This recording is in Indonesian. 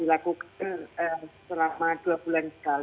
dilakukan selama dua bulan sekali